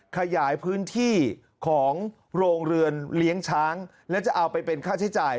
ขยายพื้นที่ของโรงเรือนเลี้ยงช้างและจะเอาไปเป็นค่าใช้จ่าย